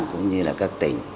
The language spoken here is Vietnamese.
cũng như là các tỉnh